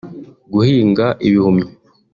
guhinga ibihumyo